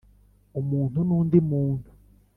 Umuntu n’undi muntu